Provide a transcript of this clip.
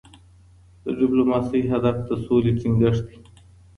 د ډيپلوماسۍ هدف د سولې ټینګښت دی.